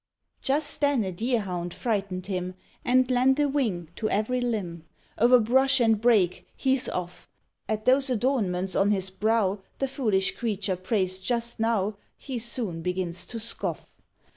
] Just then a deer hound frightened him, And lent a wing to every limb. O'er bush and brake he's off! At those adornments on his brow The foolish creature praised just now He soon begins to scoff.